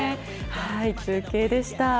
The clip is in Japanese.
中継でした。